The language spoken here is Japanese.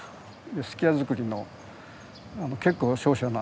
数寄屋造りの結構瀟洒な。